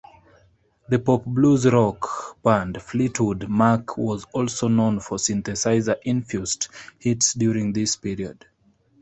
The pop-blues-rock band Fleetwood Mac was also known for synthesizer-infused hits during this period.